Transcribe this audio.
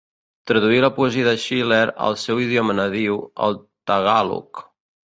Traduí la poesia de Schiller al seu idioma nadiu el tagàlog.